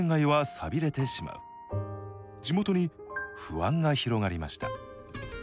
地元に不安が広がりました。